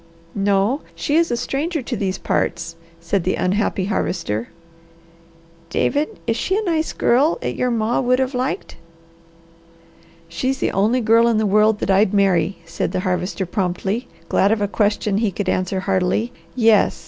"No. She is a stranger to these parts," said the unhappy Harvester. "David, is she a nice girl 'at your ma would have liked?" "She's the only girl in the world that I'd marry," said the Harvester promptly, glad of a question he could answer heartily. "Yes.